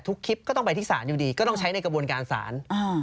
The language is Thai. คลิปก็ต้องไปที่ศาลอยู่ดีก็ต้องใช้ในกระบวนการศาล